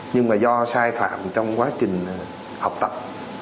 nhưng mà do sai phạm trong quá trình học tập